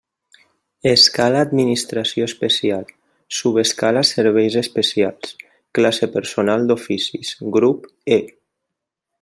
Escala administració especial, subescala serveis especials, classe personal d'oficis, grup E.